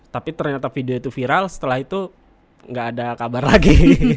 tapi ternyata video itu viral setelah itu nggak ada kabar lagi